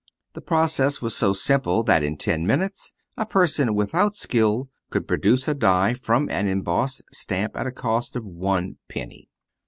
The process was so simple that in ten minutes a person without skill could produce a die from an embossed stamp at a cost of one penny.